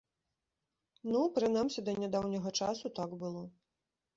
Ну, прынамсі, да нядаўняга часу так было.